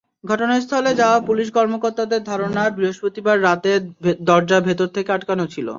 ঘটনাস্থলে যাওয়া পুলিশ কর্মকর্তাদের ধারণা, বৃহস্পতিবার রাতে দরজা ভেতর থেকে আটকানো ছিল।